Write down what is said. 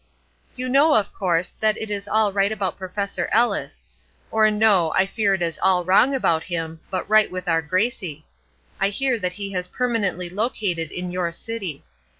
You know, of course, that it is all right about Professor Ellis; or no! I fear it is all wrong about him, but right with our Gracie. I hear that he has permanently located in your city.